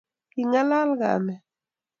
Kingalal kamet